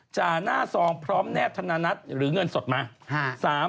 หน้าซองพร้อมแนบธนานัทหรือเงินสดมา